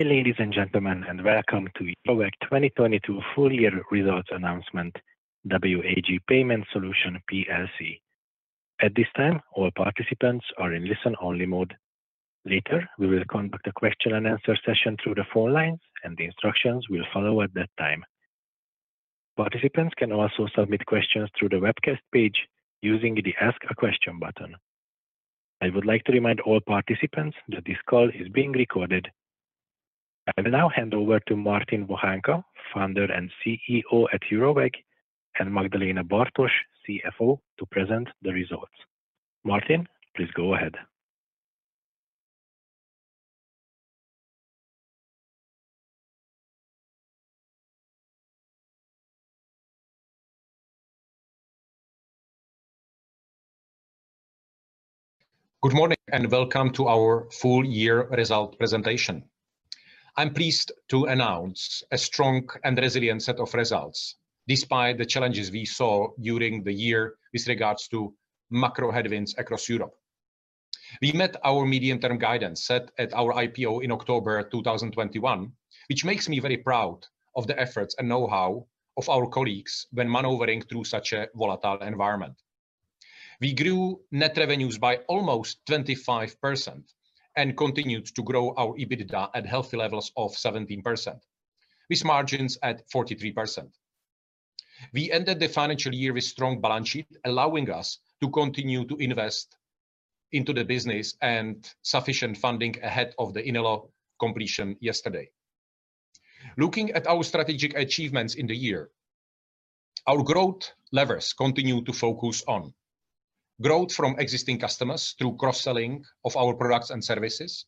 Ladies and gentlemen, welcome to Eurowag 2022 Full Year Results Announcement W.A.G Payment Solutions plc. At this time, all participants are in listen only mode. Later, we will conduct a question-and-answer session through the phone lines, and the instructions will follow at that time. Participants can also submit questions through the webcast page using the Ask a Question button. I would like to remind all participants that this call is being recorded. I will now hand over to Martin Vohánka, founder and CEO at Eurowag, and Magdalena Bartoś, CFO, to present the results. Martin, please go ahead. Good morning and welcome to our full year result presentation. I'm pleased to announce a strong and resilient set of results despite the challenges we saw during the year with regards to macro headwinds across Europe. We met our medium-term guidance set at our IPO in October 2021, which makes me very proud of the efforts and know-how of our colleagues when maneuvering through such a volatile environment. We grew net revenues by almost 25% and continued to grow our EBITDA at healthy levels of 17% with margins at 43%. We ended the financial year with strong balance sheet, allowing us to continue to invest into the business and sufficient funding ahead of the Inelo completion yesterday. Looking at our strategic achievements in the year, our growth levers continue to focus on growth from existing customers through cross-selling of our products and services.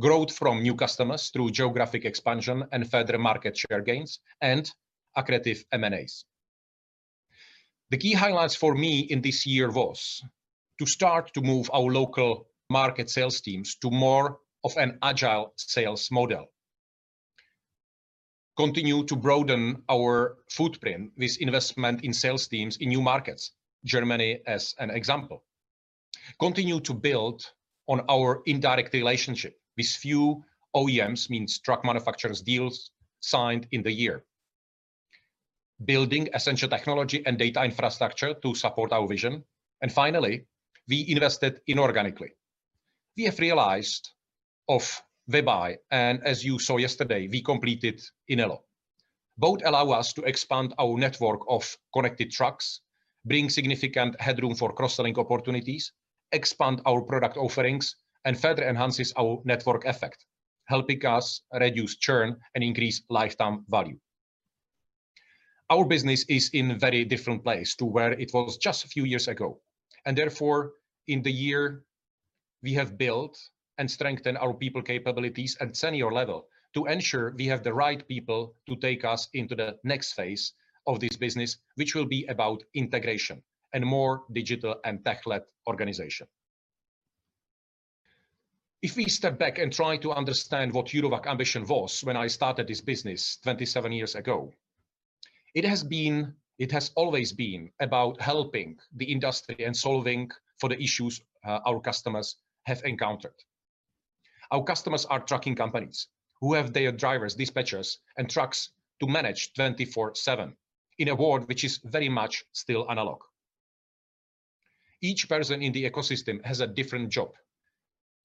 Growth from new customers through geographic expansion and further market share gains and accretive M&As. The key highlights for me in this year was to start to move our local market sales teams to more of an agile sales model. Continue to broaden our footprint with investment in sales teams in new markets, Germany as an example. Continue to build on our indirect relationship with few OEMs, means truck manufacturers deals signed in the year. Building essential technology and data infrastructure to support our vision. Finally, we invested inorganically. We have realized of WebEye, and as you saw yesterday, we completed Inelo. Both allow us to expand our network of connected trucks, bring significant headroom for cross-selling opportunities, expand our product offerings, and further enhances our network effect, helping us reduce churn and increase lifetime value. Our business is in very different place to where it was just a few years ago, and therefore, in the year we have built and strengthened our people capabilities at senior level to ensure we have the right people to take us into the next phase of this business, which will be about integration and more digital and tech-led organization. If we step back and try to understand what Eurowag ambition was when I started this business 27 years ago, it has always been about helping the industry and solving for the issues our customers have encountered. Our customers are trucking companies who have their drivers, dispatchers, and trucks to manage 24/7 in a world which is very much still analog. Each person in the ecosystem has a different job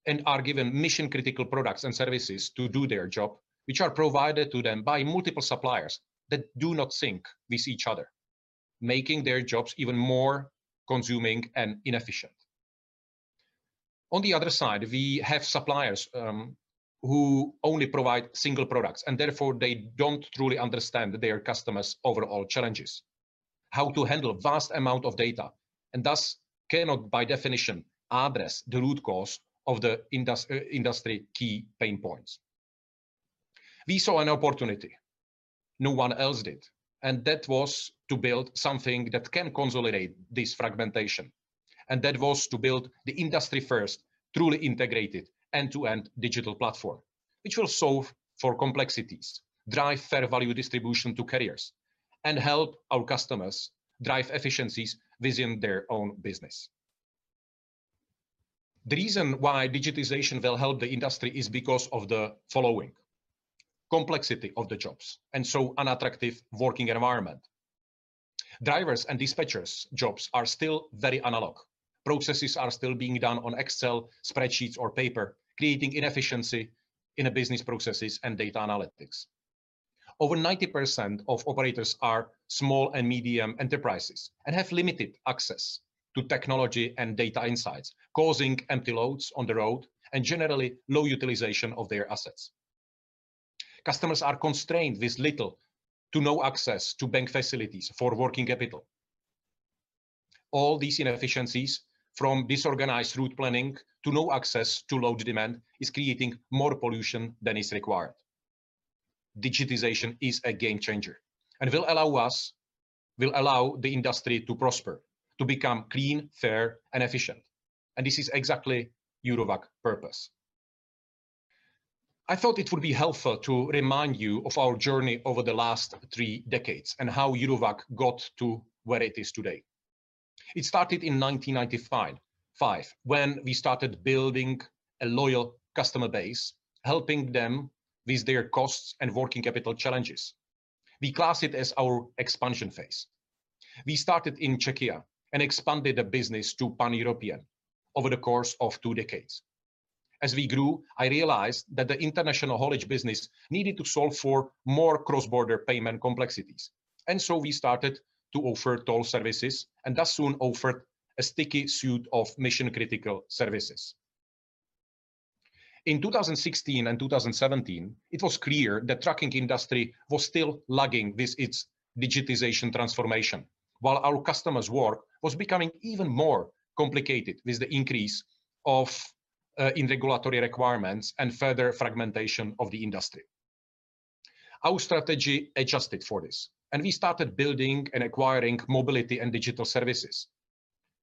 and are given mission critical products and services to do their job, which are provided to them by multiple suppliers that do not sync with each other, making their jobs even more consuming and inefficient. On the other side, we have suppliers who only provide single products and therefore they don't truly understand their customers overall challenges, how to handle vast amount of data, and thus cannot by definition address the root cause of the industry key pain points. We saw an opportunity no one else did, that was to build something that can consolidate this fragmentation, that was to build the industry first, truly integrated end-to-end digital platform, which will solve for complexities, drive fair value distribution to carriers, and help our customers drive efficiencies within their own business. The reason why digitization will help the industry is because of the following: complexity of the jobs and unattractive working environment. Drivers and dispatchers jobs are still very analog. Processes are still being done on Excel spreadsheets or paper, creating inefficiency in a business processes and data analytics. Over 90% of operators are small and medium enterprises and have limited access to technology and data insights, causing empty loads on the road and generally low utilization of their assets. Customers are constrained with little to no access to bank facilities for working capital. All these inefficiencies, from disorganized route planning to no access to load demand, is creating more pollution than is required. Digitization is a game changer and will allow the industry to prosper, to become clean, fair, and efficient. This is exactly Eurowag purpose. I thought it would be helpful to remind you of our journey over the last three decades and how Eurowag got to where it is today. It started in 1995 when we started building a loyal customer base, helping them with their costs and working capital challenges. We class it as our expansion phase. We started in Czechia and expanded the business to pan-European over the course of two decades. As we grew, I realized that the international haulage business needed to solve for more cross-border payment complexities. We started to offer toll services, and thus soon offered a sticky suite of mission-critical services. In 2016 and 2017, it was clear the trucking industry was still lagging with its digitization transformation, while our customers' work was becoming even more complicated with the increase in regulatory requirements and further fragmentation of the industry. Our strategy adjusted for this, and we started building and acquiring mobility and digital services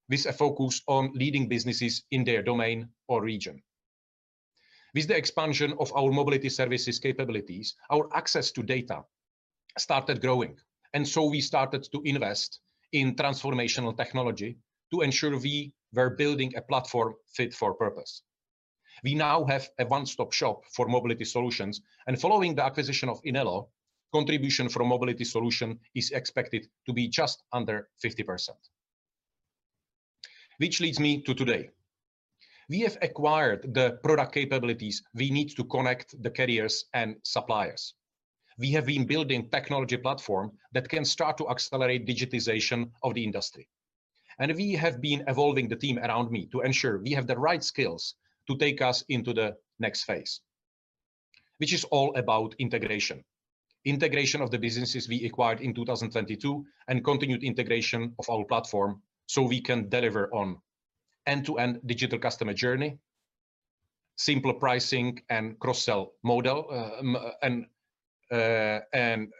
with a focus on leading businesses in their domain or region. With the expansion of our mobility services capabilities, our access to data started growing. We started to invest in transformational technology to ensure we were building a platform fit for purpose. We now have a one-stop shop for mobility solutions, and following the acquisition of Inelo, contribution from mobility solution is expected to be just under 50%. Which leads me to today. We have acquired the product capabilities we need to connect the carriers and suppliers. We have been building technology platform that can start to accelerate digitization of the industry. We have been evolving the team around me to ensure we have the right skills to take us into the next phase, which is all about integration. Integration of the businesses we acquired in 2022, and continued integration of our platform so we can deliver on end-to-end digital customer journey, simpler pricing and cross-sell model, and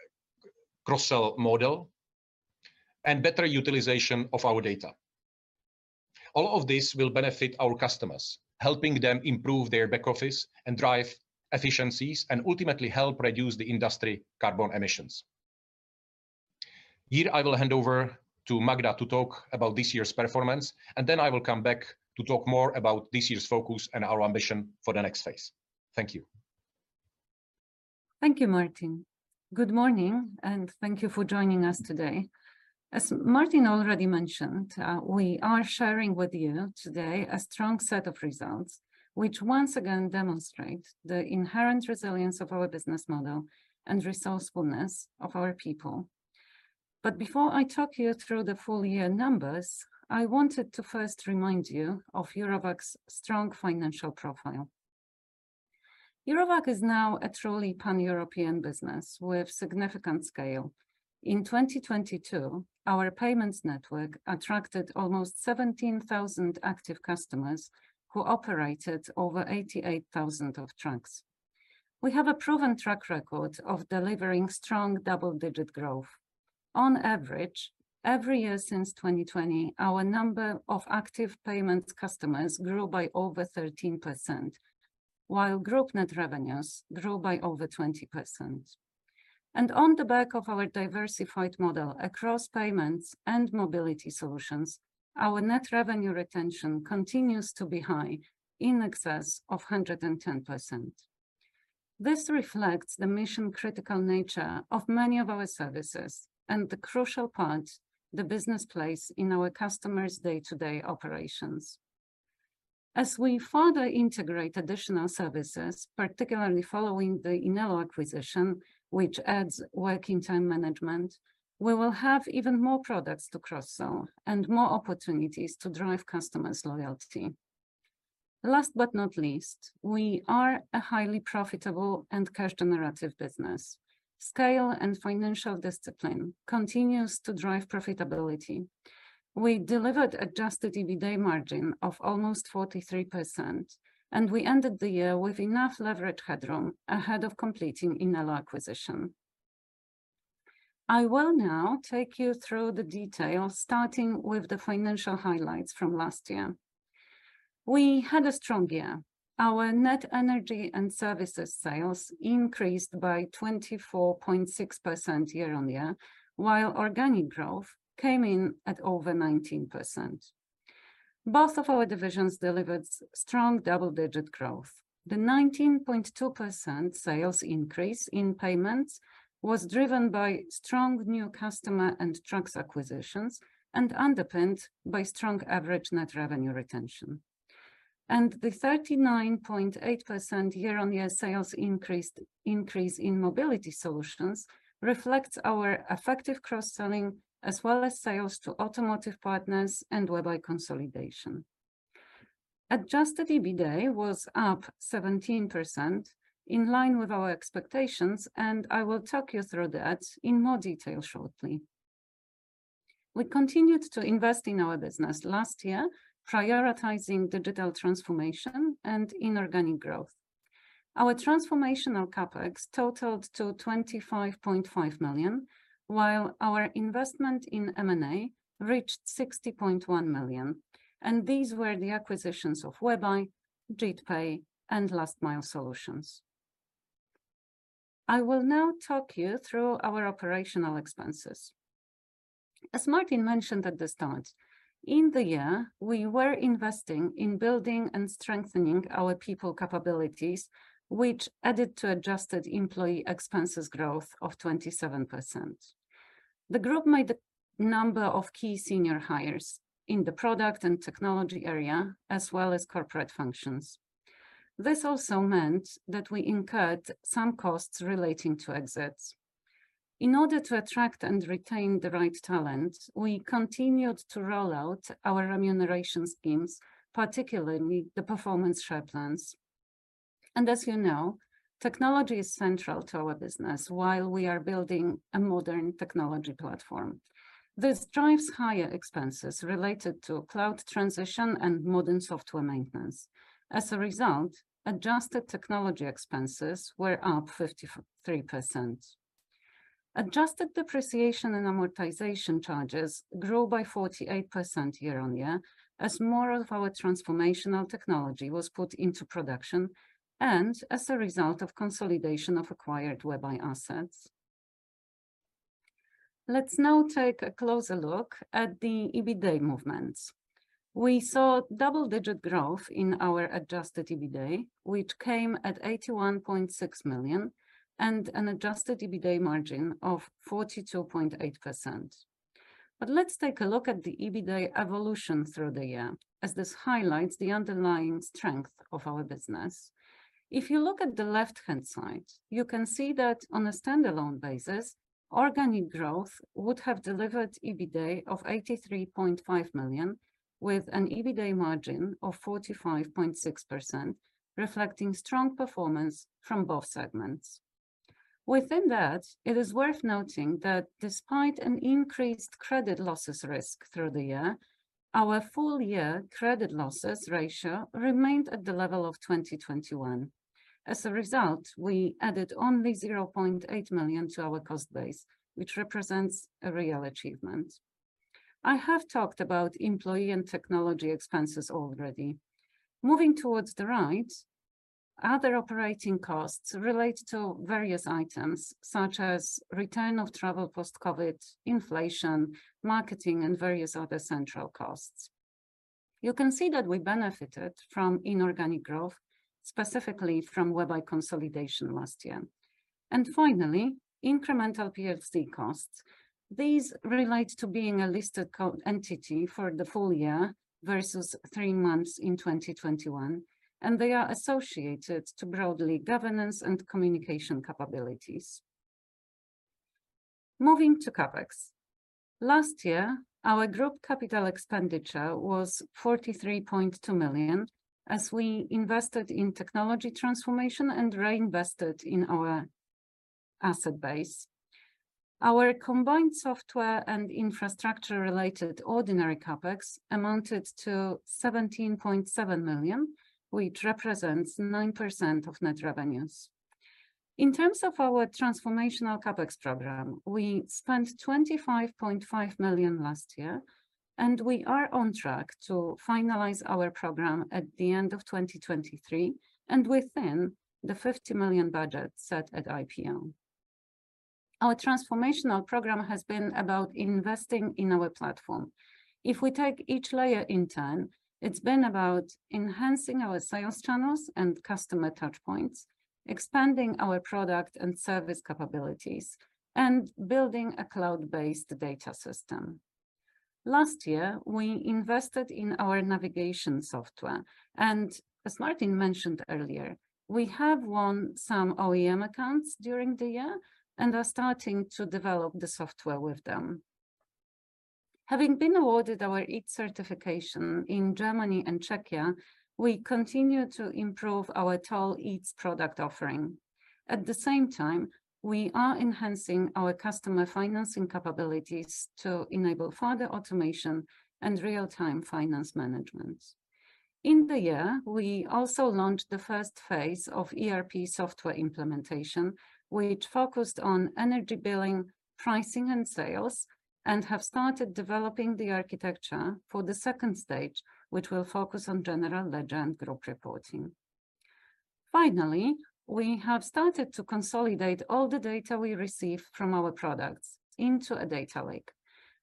better utilization of our data. All of this will benefit our customers, helping them improve their back office and drive efficiencies, and ultimately help reduce the industry carbon emissions. Here I will hand over to Magda to talk about this year's performance, and then I will come back to talk more about this year's focus and our ambition for the next phase. Thank you. Thank you, Martin. Good morning and thank you for joining us today. As Martin already mentioned, we are sharing with you today a strong set of results, which once again demonstrate the inherent resilience of our business model and resourcefulness of our people. Before I talk you through the full year numbers, I wanted to first remind you of Eurowag's strong financial profile. Eurowag is now a truly pan-European business with significant scale. In 2022, our payments network attracted almost 17,000 active customers who operated over 88,000 of trucks. We have a proven track record of delivering strong double-digit growth. On average, every year since 2020, our number of active payment customers grew by over 13%, while group net revenues grew by over 20%. On the back of our diversified model across payments and mobility solutions, our net revenue retention continues to be high, in excess of 110%. This reflects the mission-critical nature of many of our services and the crucial part the business plays in our customers' day-to-day operations. As we further integrate additional services, particularly following the Inelo acquisition, which adds Working Time Management, we will have even more products to cross-sell and more opportunities to drive customers' loyalty. Last but not least, we are a highly profitable and cash generative business. Scale and financial discipline continues to drive profitability. We delivered adjusted EBITDA margin of almost 43%, we ended the year with enough leverage headroom ahead of completing Inelo acquisition. I will now take you through the details, starting with the financial highlights from last year. We had a strong year. Our net energy and services sales increased by 24.6% year-on-year, while organic growth came in at over 19%. Both of our divisions delivered strong double-digit growth. The 19.2% sales increase in payments was driven by strong new customer and trucks acquisitions and underpinned by strong average net revenue retention. The 39.8% year-on-year sales increase in mobility solutions reflects our effective cross-selling as well as sales to automotive partners and WebEye consolidation. Adjusted EBITDA was up 17%, in line with our expectations, and I will talk you through that in more detail shortly. We continued to invest in our business last year, prioritizing digital transformation and inorganic growth. Our transformational CapEx totaled to 25.5 million, while our investment in M&A reached 60.1 million. These were the acquisitions of WebEye, JITpay, and Last Mile Solutions. I will now talk you through our operational expenses. As Martin mentioned at the start, in the year, we were investing in building and strengthening our people capabilities, which added to adjusted employee expenses growth of 27%. The group made a number of key senior hires in the product and technology area, as well as corporate functions. This also meant that we incurred some costs relating to exits. In order to attract and retain the right talent, we continued to roll out our remuneration schemes, particularly the performance share plans. As you know, technology is central to our business while we are building a modern technology platform. This drives higher expenses related to cloud transition and modern software maintenance. Adjusted technology expenses were up 53%. Adjusted depreciation and amortization charges grew by 48% year-on-year, as more of our transformational technology was put into production and as a result of consolidation of acquired WebEye assets. Let's now take a closer look at the EBITA movements. We saw double-digit growth in our adjusted EBITA, which came at 81.6 million, and an adjusted EBITA margin of 42.8%. Let's take a look at the EBITA evolution through the year, as this highlights the underlying strength of our business. If you look at the left-hand side, you can see that on a standalone basis, organic growth would have delivered EBITA of 83.5 million, with an EBITA margin of 45.6%, reflecting strong performance from both segments. Within that, it is worth noting that despite an increased credit losses risk through the year, our full year credit losses ratio remained at the level of 2021. As a result, we added only 0.8 million to our cost base, which represents a real achievement. I have talked about employee and technology expenses already. Moving towards the right, other operating costs relate to various items such as return of travel post-COVID, inflation, marketing, and various other central costs. You can see that we benefited from inorganic growth, specifically from WebEye consolidation last year. Finally, incremental PLC costs. These relate to being a listed entity for the full year versus three months in 2021, and they are associated to broadly governance and communication capabilities. Moving to CapEx. Last year, our group capital expenditure was 43.2 million as we invested in technology transformation and reinvested in our asset base. Our combined software and infrastructure related ordinary CapEx amounted to 17.7 million, which represents 9% of net revenues. In terms of our transformational CapEx program, we spent 25.5 million last year, and we are on track to finalize our program at the end of 2023 and within the 50 million budget set at IPO. Our transformational program has been about investing in our platform. If we take each layer in turn, it's been about enhancing our sales channels and customer touch points, expanding our product and service capabilities, and building a cloud-based data system. Last year, we invested in our navigation software, and as Martin mentioned earlier, we have won some OEM accounts during the year and are starting to develop the software with them. Having been awarded our EETS certification in Germany and Czechia, we continue to improve our toll EETS product offering. At the same time, we are enhancing our customer financing capabilities to enable further automation and real-time finance management. In the year, we also launched the first phase of ERP software implementation, which focused on energy billing, pricing, and sales, and have started developing the architecture for the second stage, which will focus on general ledger and group reporting. Finally, we have started to consolidate all the data we receive from our products into a data lake.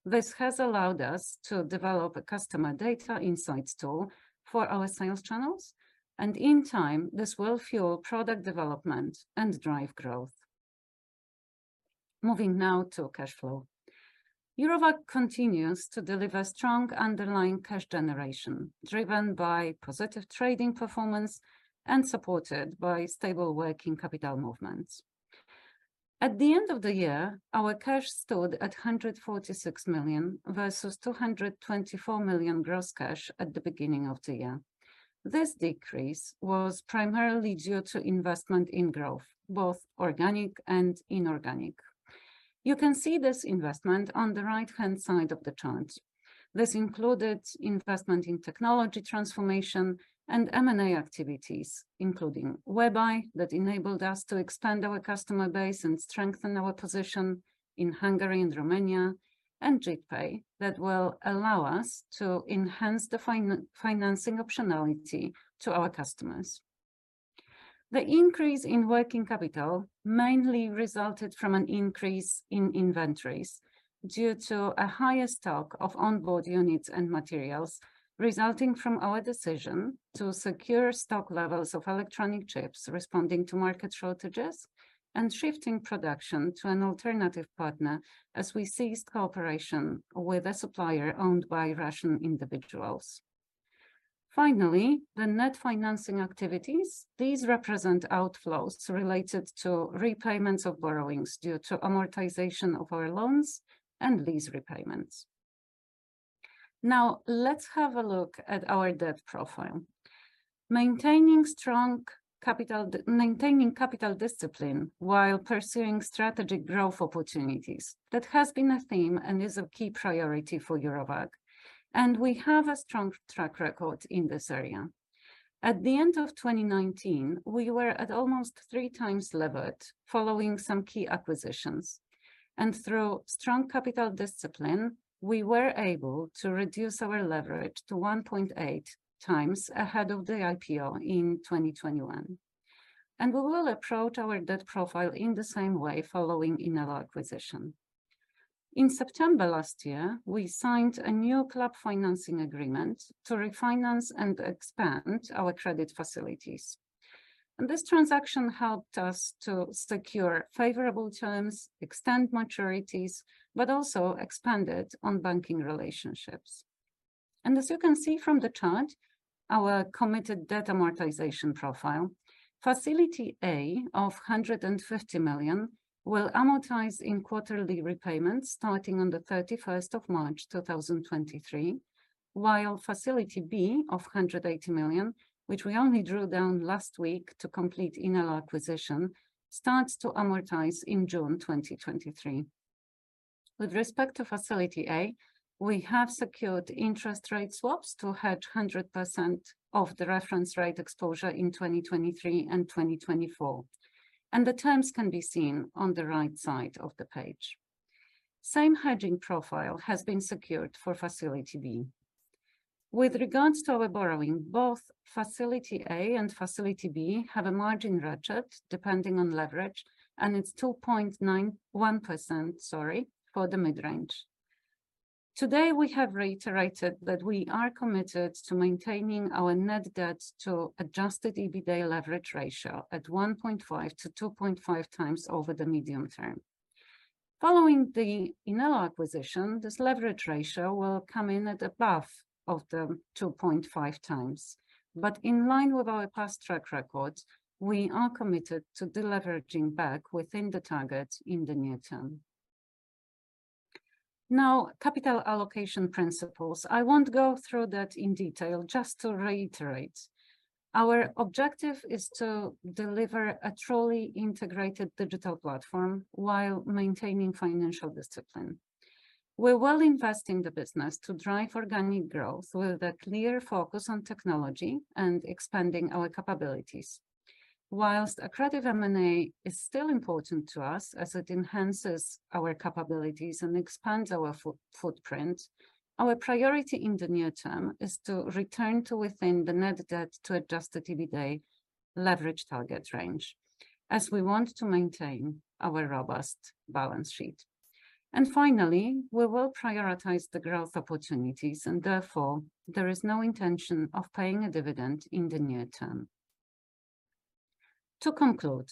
This has allowed us to develop a customer data insights tool for our sales channels, and in time, this will fuel product development and drive growth. Moving now to cash flow. Eurowag continues to deliver strong underlying cash generation, driven by positive trading performance and supported by stable working capital movements. At the end of the year, our cash stood at 146 million versus 224 million gross cash at the beginning of the year. This decrease was primarily due to investment in growth, both organic and inorganic. You can see this investment on the right-hand side of the chart. This included investment in technology transformation and M&A activities, including WebEye, that enabled us to expand our customer base and strengthen our position in Hungary and Romania, and JITpay, that will allow us to enhance the financing optionality to our customers. The increase in working capital mainly resulted from an increase in inventories due to a higher stock of onboard units and materials resulting from our decision to secure stock levels of electronic chips responding to market shortages and shifting production to an alternative partner as we ceased cooperation with a supplier owned by Russian individuals. Finally, the net financing activities, these represent outflows related to repayments of borrowings due to amortization of our loans and lease repayments. Now, let's have a look at our debt profile. Maintaining strong capital discipline while pursuing strategic growth opportunities, that has been a theme and is a key priority for Eurowag, and we have a strong track record in this area. At the end of 2019, we were at almost 3x levered following some key acquisitions, and through strong capital discipline, we were able to reduce our leverage to 1.8x ahead of the IPO in 2021. We will approach our debt profile in the same way following in our acquisition. In September last year, we signed a new club financing agreement to refinance and expand our credit facilities. This transaction helped us to secure favorable terms, extend maturities, but also expanded on banking relationships. As you can see from the chart, our committed debt amortization profile, Facility A of 150 million will amortize in quarterly repayments starting on the 31st of March 2023, while Facility B of 180 million, which we only drew down last week to complete in our acquisition, starts to amortize in June 2023. With respect to Facility A, we have secured interest rate swaps to hedge 100% of the reference rate exposure in 2023 and 2024, and the terms can be seen on the right side of the page. Same hedging profile has been secured for Facility B. With regards to our borrowing, both Facility A and Facility B have a margin ratchet depending on leverage, and it's 1%, sorry, for the mid-range. Today, we have reiterated that we are committed to maintaining our net debt to adjusted EBITA leverage ratio at 1.5x-2.5x over the medium term. Following the Inelo acquisition, this leverage ratio will come in at above of the 2.5x. In line with our past track record, we are committed to deleveraging back within the target in the near term. Now, capital allocation principles, I won't go through that in detail. Just to reiterate, our objective is to deliver a truly integrated digital platform while maintaining financial discipline. We're well investing the business to drive organic growth with a clear focus on technology and expanding our capabilities. Whilst accretive M&A is still important to us as it enhances our capabilities and expands our footprint, our priority in the near term is to return to within the net debt to adjusted EBITA leverage target range, as we want to maintain our robust balance sheet. Finally, we will prioritize the growth opportunities and therefore there is no intention of paying a dividend in the near term. To conclude,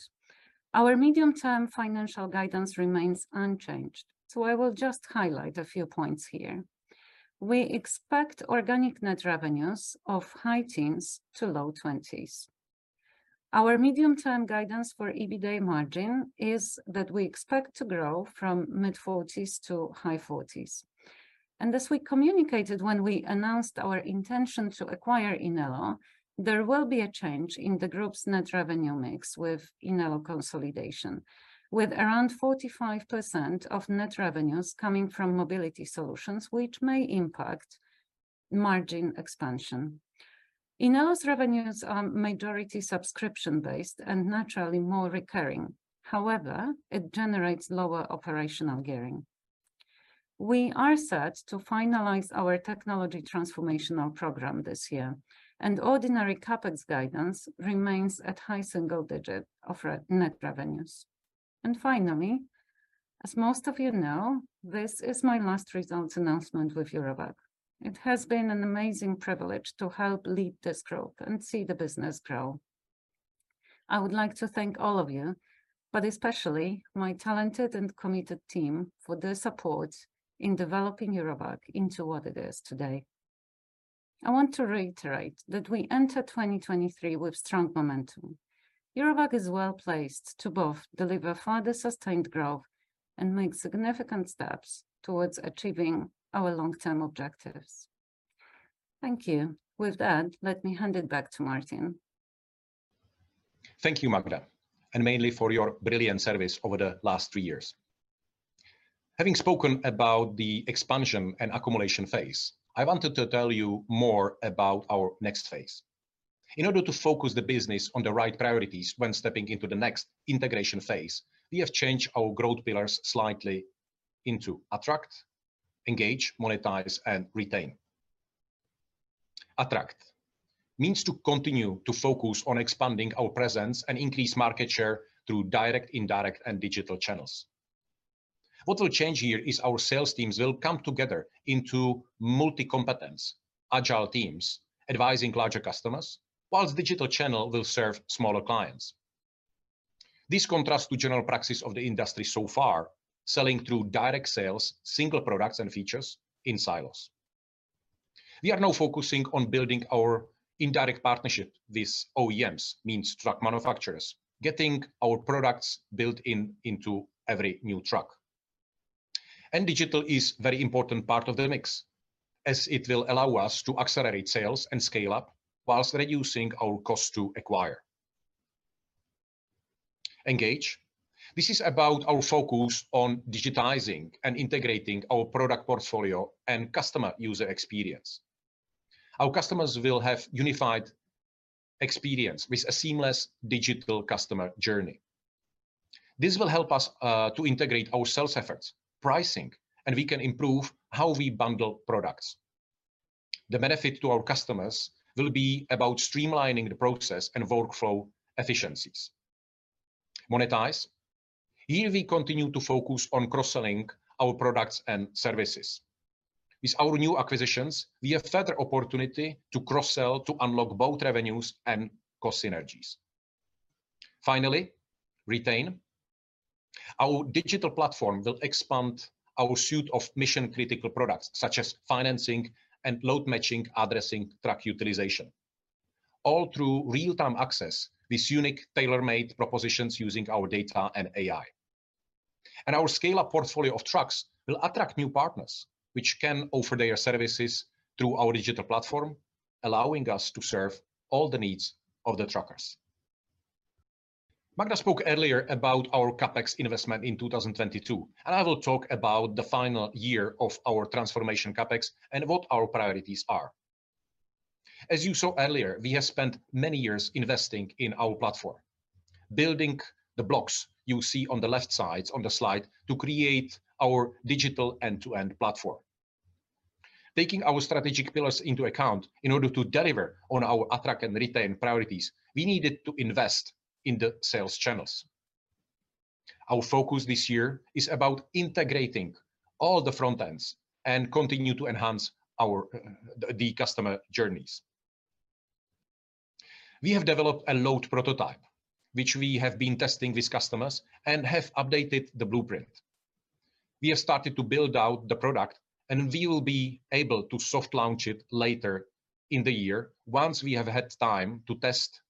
our medium-term financial guidance remains unchanged, I will just highlight a few points here. We expect organic net revenues of high teens to low 20s. Our medium-term guidance for EBITA margin is that we expect to grow from mid-40s to high 40s. As we communicated when we announced our intention to acquire Inelo, there will be a change in the group's net revenue mix with Inelo consolidation, with around 45% of net revenues coming from mobility solutions, which may impact margin expansion. Inelo's revenues are majority subscription-based and naturally more recurring. However, it generates lower operational gearing. We are set to finalize our technology transformational program this year, and ordinary CapEx guidance remains at high single digit of net revenues. Finally, as most of you know, this is my last results announcement with Eurowag. It has been an amazing privilege to help lead this group and see the business grow. I would like to thank all of you, but especially my talented and committed team for their support in developing Eurowag into what it is today. I want to reiterate that we enter 2023 with strong momentum. Eurowag is well-placed to both deliver further sustained growth and make significant steps towards achieving our long-term objectives. Thank you. With that, let me hand it back to Martin. Thank you, Magda, and mainly for your brilliant service over the last three years. Having spoken about the expansion and accumulation phase, I wanted to tell you more about our next phase. In order to focus the business on the right priorities when stepping into the next integration phase, we have changed our growth pillars slightly into attract, engage, monetize, and retain. Attract means to continue to focus on expanding our presence and increase market share through direct, indirect, and digital channels. What will change here is our sales teams will come together into multi-competence agile teams advising larger customers, whilst digital channel will serve smaller clients. This contrasts to general practice of the industry so far, selling through direct sales, single products and features in silos. We are now focusing on building our indirect partnership with OEMs, means truck manufacturers, getting our products built-in into every new truck. Digital is very important part of the mix, as it will allow us to accelerate sales and scale up whilst reducing our cost to acquire. Engage. This is about our focus on digitizing and integrating our product portfolio and customer user experience. Our customers will have unified experience with a seamless digital customer journey. This will help us to integrate our sales efforts, pricing, and we can improve how we bundle products. The benefit to our customers will be about streamlining the process and workflow efficiencies. Monetize. Here we continue to focus on cross-selling our products and services. With our new acquisitions, we have further opportunity to cross-sell to unlock both revenues and cost synergies. Finally, retain. Our digital platform will expand our suite of mission-critical products such as financing and load matching, addressing truck utilization, all through real-time access with unique tailor-made propositions using our data and AI. Our scale-up portfolio of trucks will attract new partners which can offer their services through our digital platform, allowing us to serve all the needs of the truckers. Magda spoke earlier about our CapEx investment in 2022, and I will talk about the final year of our transformation CapEx and what our priorities are. As you saw earlier, we have spent many years investing in our platform, building the blocks you see on the left sides on the slide to create our digital end-to-end platform. Taking our strategic pillars into account in order to deliver on our attract and retain priorities, we needed to invest in the sales channels. Our focus this year is about integrating all the front ends and continue to enhance our the customer journeys. We have developed a load prototype, which we have been testing with customers and have updated the blueprint. We have started to build out the product, we will be able to soft launch it later in the year once we have had time to test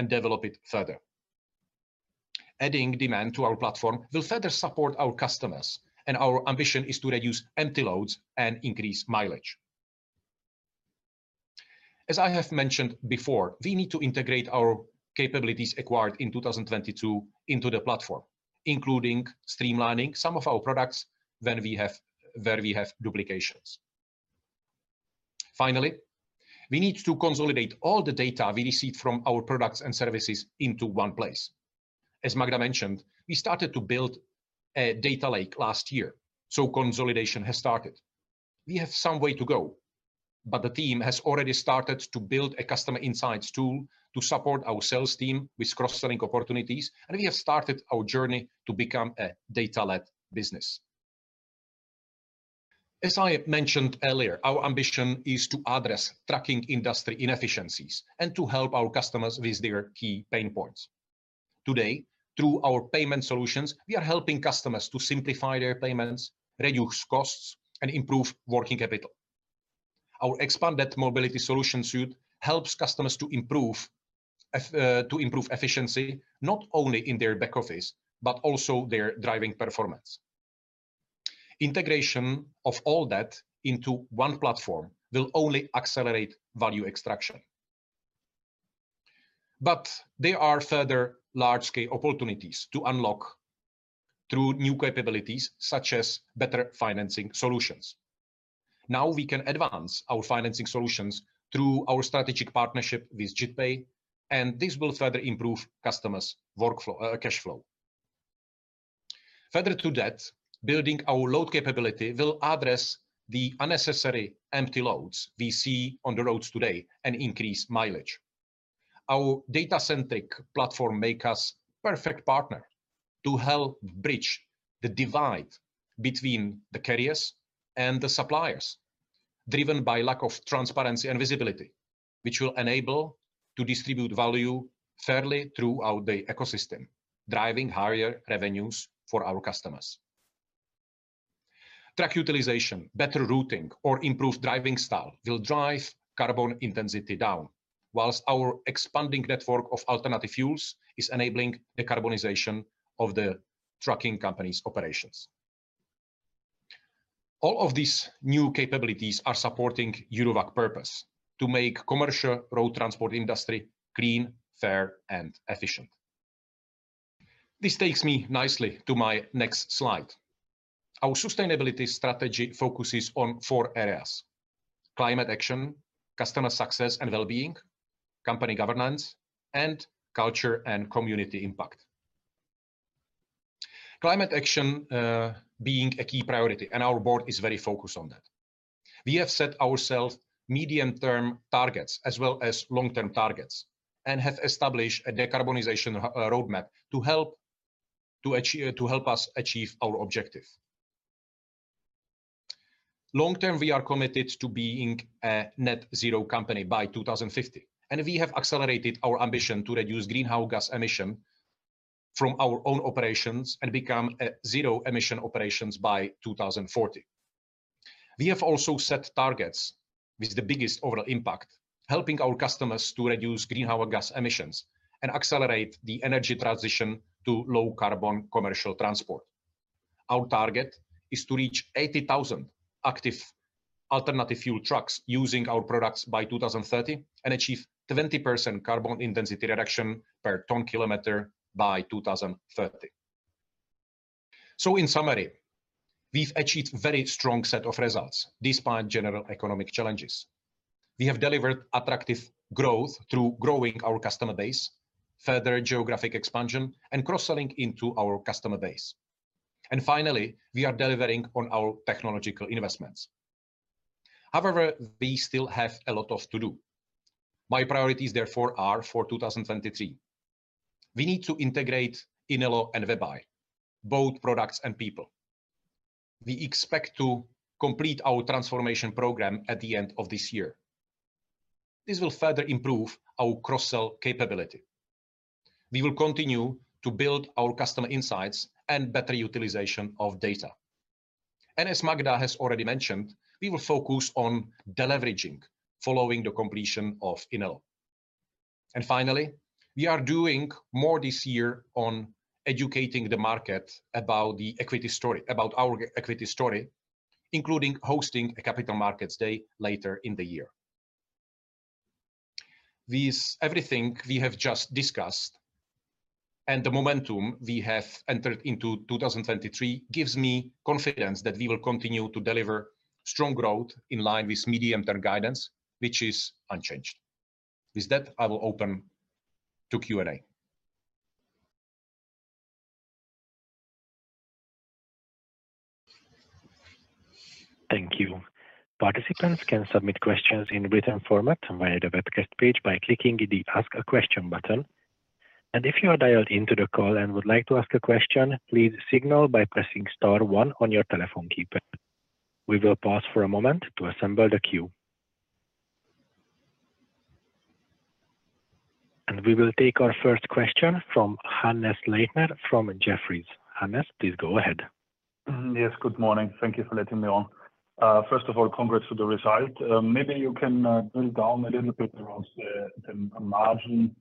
and develop it further. Adding demand to our platform will further support our customers, our ambition is to reduce empty loads and increase mileage. As I have mentioned before, we need to integrate our capabilities acquired in 2022 into the platform, including streamlining some of our products where we have duplications. Finally, we need to consolidate all the data we received from our products and services into one place. As Magda mentioned, we started to build a data lake last year. Consolidation has started. We have some way to go. The team has already started to build a customer insights tool to support our sales team with cross-selling opportunities. We have started our journey to become a data-led business. As I have mentioned earlier, our ambition is to address trucking industry inefficiencies and to help our customers with their key pain points. Today, through our payment solutions, we are helping customers to simplify their payments, reduce costs, and improve working capital. Our expanded mobility solution suite helps customers to improve efficiency, not only in their back office, but also their driving performance. Integration of all that into one platform will only accelerate value extraction. There are further large-scale opportunities to unlock through new capabilities, such as better financing solutions. We can advance our financing solutions through our strategic partnership with JITpay, and this will further improve customers' workflow, cash flow. Further to that, building our load capability will address the unnecessary empty loads we see on the roads today and increase mileage. Our data-centric platform make us perfect partner to help bridge the divide between the carriers and the suppliers, driven by lack of transparency and visibility, which will enable to distribute value fairly throughout the ecosystem, driving higher revenues for our customers. Truck utilization, better routing, or improved driving style will drive carbon intensity down, whilst our expanding network of alternative fuels is enabling the carbonization of the trucking company's operations. All of these new capabilities are supporting Eurowag purpose to make commercial road transport industry clean, fair, and efficient. This takes me nicely to my next slide. Our sustainability strategy focuses on four areas: climate action, customer success and wellbeing, company governance, and culture and community impact. Climate action being a key priority, and our board is very focused on that. We have set ourselves medium-term targets as well as long-term targets and have established a decarbonization roadmap to help us achieve our objective. Long-term, we are committed to being a net zero company by 2050, and we have accelerated our ambition to reduce greenhouse gas emission from our own operations and become a zero emission operations by 2040. We have also set targets with the biggest overall impact, helping our customers to reduce greenhouse gas emissions and accelerate the energy transition to low carbon commercial transport. Our target is to reach 80,000 active alternative fuel trucks using our products by 2030 and achieve 20% carbon intensity reduction per ton kilometer by 2030. In summary, we've achieved very strong set of results despite general economic challenges. We have delivered attractive growth through growing our customer base, further geographic expansion, and cross-selling into our customer base. Finally, we are delivering on our technological investments. However, we still have a lot of to do. My priorities therefore are for 2023. We need to integrate in Inelo and WebEye both products and people. We expect to complete our transformation program at the end of this year. This will further improve our cross-sell capability. We will continue to build our customer insights and better utilization of data. As Magda has already mentioned, we will focus on deleveraging following the completion of Inelo. Finally, we are doing more this year on educating the market about the equity story, about our equity story, including hosting a Capital Markets Day later in the year. This everything we have just discussed and the momentum we have entered into 2023 gives me confidence that we will continue to deliver strong growth in line with medium-term guidance, which is unchanged. With that, I will open to Q&A. Thank you. Participants can submit questions in written format via the webcast page by clicking the Ask a Question button. If you are dialed into the call and would like to ask a question, please signal by pressing star one on your telephone keypad. We will pause for a moment to assemble the queue. We will take our first question from Hannes Leitner from Jefferies. Hannes, please go ahead. Yes, good morning. Thank you for letting me on. First of all, congrats to the result. Maybe you can drill down a little bit around the margin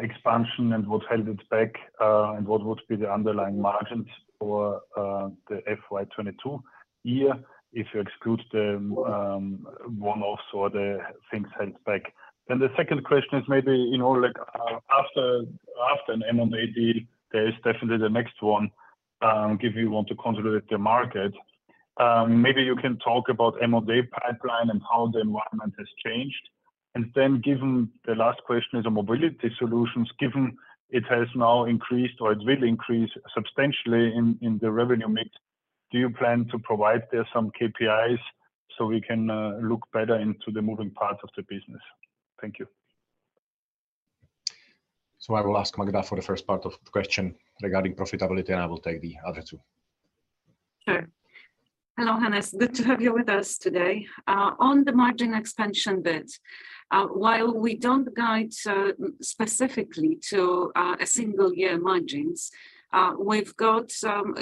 expansion and what held it back, and what would be the underlying margins for the FY 2022 year if you exclude the one-offs or the things held back. The second question is maybe, you know, like, after an M&A deal, there is definitely the next one, if you want to consolidate the market. Maybe you can talk about M&A pipeline and how the environment has changed. Given the last question is the mobility solutions, given it has now increased or it will increase substantially in the revenue mix, do you plan to provide there some KPIs so we can look better into the moving parts of the business? Thank you. I will ask Magda for the first part of the question regarding profitability, and I will take the other two. Sure. Hello, Hannes. Good to have you with us today. On the margin expansion bit, while we don't guide specifically to a single year margins, we've got some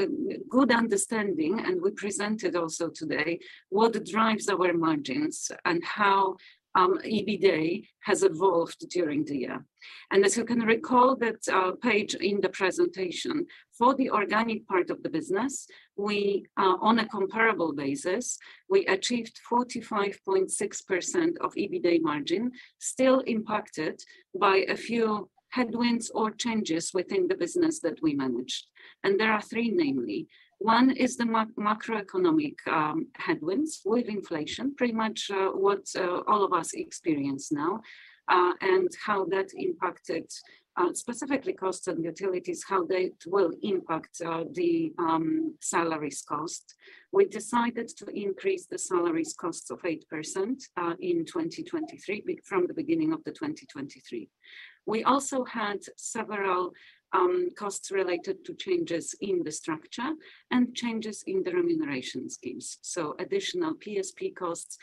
good understanding, and we presented also today what drives our margins and how EBITA has evolved during the year. As you can recall that page in the presentation, for the organic part of the business, we, on a comparable basis, we achieved 45.6% of EBITA margin still impacted by a few headwinds or changes within the business that we managed. There are three, namely. One is the macroeconomic headwinds with inflation, pretty much what all of us experience now, and how that impacted specifically cost and utilities, how they will impact the salaries cost. We decided to increase the salaries cost of 8%, in 2023, from the beginning of 2023. We also had several costs related to changes in the structure and changes in the remuneration schemes. Additional PSP costs,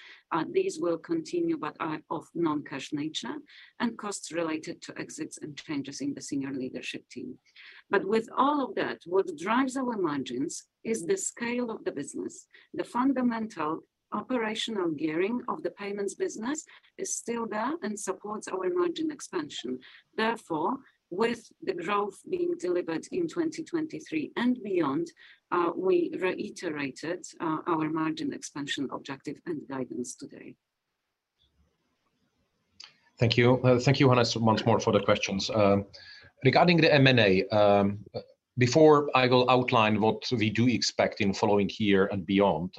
these will continue but are of non-cash nature, and costs related to exits and changes in the senior leadership team. With all of that, what drives our margins is the scale of the business. The fundamental operational gearing of the payments business is still there and supports our margin expansion. With the growth being delivered in 2023 and beyond, we reiterated our margin expansion objective and guidance today. Thank you. Thank you, Hannes, once more for the questions. Regarding the M&A, before I will outline what we do expect in following year and beyond,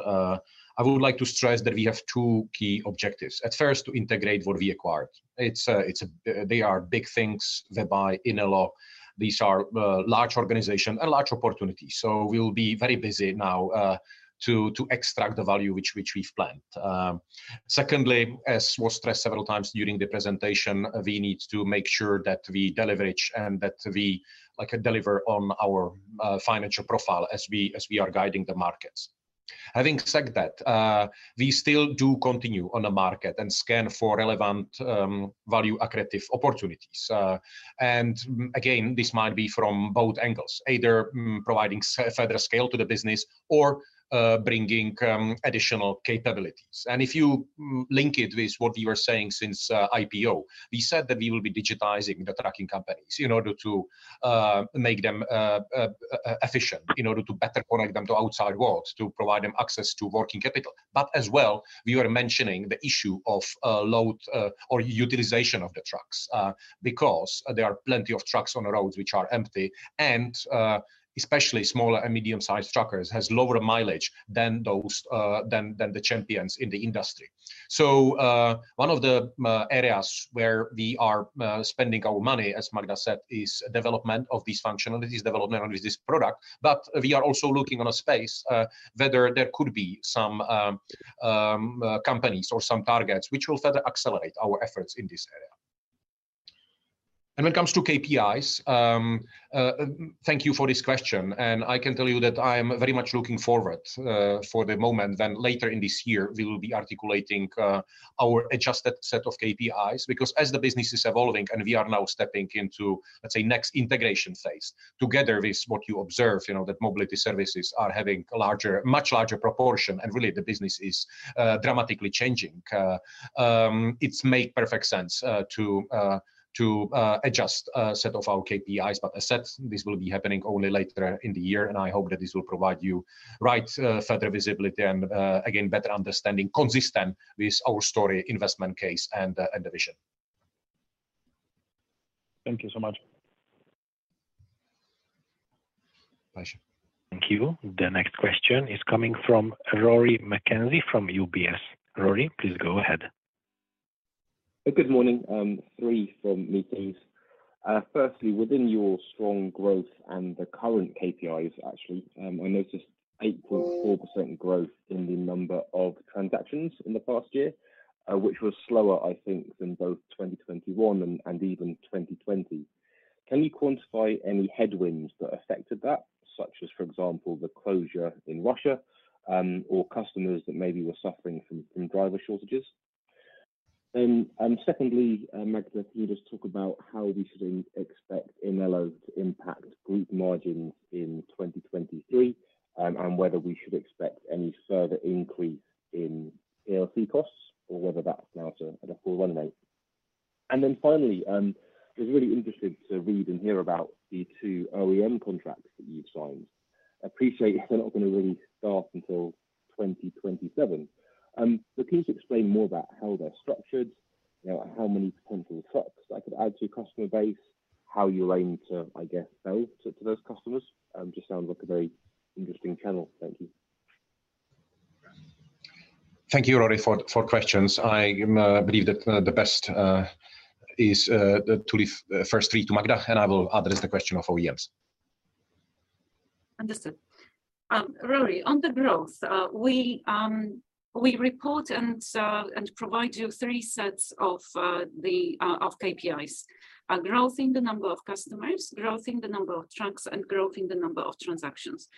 I would like to stress that we have two key objectives. At first, to integrate what we acquired. They are big things whereby in a lot these are large organization and large opportunities. We'll be very busy now to extract the value which we've planned. Secondly, as was stressed several times during the presentation, we need to make sure that we deliver each and that we, like, deliver on our financial profile as we are guiding the markets. Having said that, we still do continue on the market and scan for relevant value accretive opportunities. Again, this might be from both angles, either providing further scale to the business or bringing additional capabilities. If you link it with what we were saying since IPO, we said that we will be digitizing the trucking companies in order to make them efficient, in order to better connect them to outside world, to provide them access to working capital. As well, we were mentioning the issue of load or utilization of the trucks, because there are plenty of trucks on the roads which are empty. Especially smaller and medium-sized truckers has lower mileage than those than the champions in the industry. One of the areas where we are spending our money, as Magda said, is development of these functionalities, development of this product. We are also looking on a space, whether there could be some companies or some targets which will further accelerate our efforts in this area. When it comes to KPIs, thank you for this question, and I can tell you that I am very much looking forward for the moment then later in this year, we will be articulating our adjusted set of KPIs. As the business is evolving and we are now stepping into, let's say, next integration phase, together with what you observe, you know, that mobility services are having a larger, much larger proportion, and really the business is dramatically changing. It's made perfect sense to adjust a set of our KPIs. As said, this will be happening only later in the year, and I hope that this will provide you right, further visibility and again, better understanding consistent with our story, investment case and the vision. Thank you so much. Pleasure. Thank you. The next question is coming from Rory McKenzie from UBS. Rory, please go ahead. Good morning. Three from me, please. Firstly, within your strong growth and the current KPIs, actually, I noticed 8.4% growth in the number of transactions in the past year, which was slower, I think, than both 2021 and even 2020. Can you quantify any headwinds that affected that, such as, for example, the closure in Russia, or customers that maybe were suffering from driver shortages? Secondly, Magda, can you just talk about how we should expect Inelo to impact group margins in 2023, and whether we should expect any further increase in PLC costs or whether that's now at a full run rate? Finally, it was really interesting to read and hear about the two OEM contracts that you've signed. Appreciate they're not gonna really start until 2027. Please explain more about how they're structured, you know, how many potential trucks that could add to your customer base, how you're aiming to, I guess, sell to those customers. Just sounds like a very interesting channel. Thank you. Thank you, Rory, for questions. I believe that the best is to leave first three to Magda, and I will address the question of OEMs. Understood. Rory, on the growth, we report and provide you three sets of the of KPIs. Growth in the number of customers, growth in the number of trucks, and growth in the number of transactions.